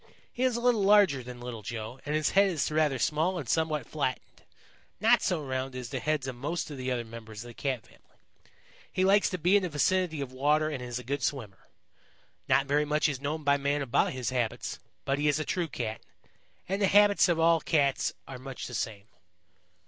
He is a little larger than Little Joe, and his head is rather small and somewhat flattened, not so round as the heads of most of the other members of the Cat family. He likes to be in the vicinity of water and is a good swimmer. Not very much is known by man about his habits, but he is a true Cat, and the habits of all Cats are much the same."